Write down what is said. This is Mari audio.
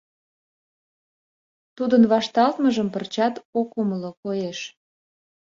Тудын вашталтмыжым пырчат ок умыло, коеш.